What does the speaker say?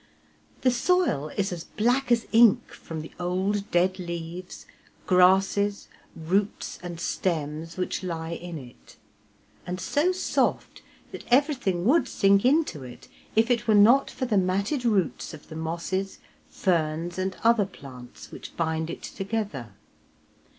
The soil is as black as ink from the old, dead leaves, grasses, roots, and stems which lie in it; and so soft, that everything would sink into it, if it were not for the matted roots of the mosses, ferns, and other plants which bind it together.